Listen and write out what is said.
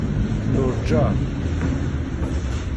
Nurǧa.